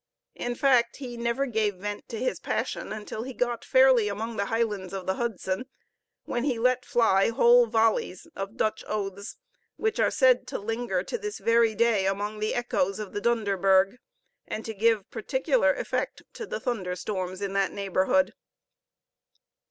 In fact, he never gave vent to his passion until he got fairly among the Highlands of the Hudson, when he let fly whole volleys of Dutch oaths, which are said to linger to this very day among the echoes of the Dunderberg, and to give particular effect to the thunder storms in that neighborhood.